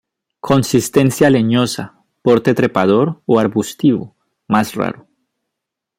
Consistencia leñosa, porte trepador o arbustivo, más raro.